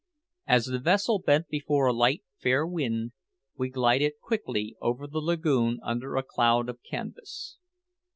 As the vessel bent before a light, fair wind, we glided quickly over the lagoon under a cloud of canvas.